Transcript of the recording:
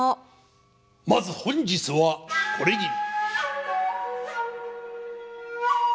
まず本日はこれぎり。